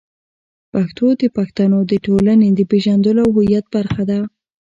پښتو د پښتنو د ټولنې د پېژندلو او هویت برخه ده.